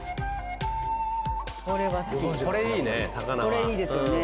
これいいですよね。